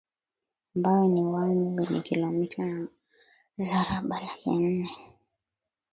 ambayo ni Wami wenye kilometa za mraba laki nne